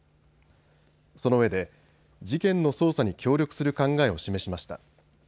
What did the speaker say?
そのうえで事件の捜査に協力する考えを示しました。